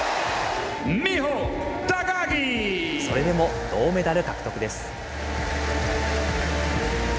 それでも銅メダル獲得です。